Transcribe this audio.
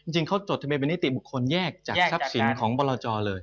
จริงเขาจดทะเบียเป็นนิติบุคคลแยกจากทรัพย์สินของบรจอเลย